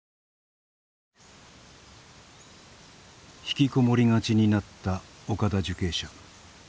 引きこもりがちになった岡田受刑者。